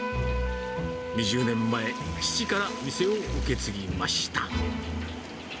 ２０年前、父から店を受け継ぎました。